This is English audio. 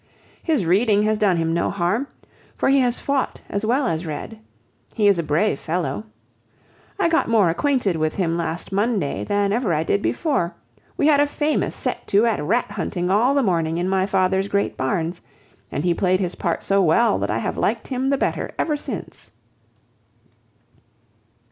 His reading has done him no harm, for he has fought as well as read. He is a brave fellow. I got more acquainted with him last Monday than ever I did before. We had a famous set to at rat hunting all the morning in my father's great barns; and he played his part so well that I have liked him the better ever since."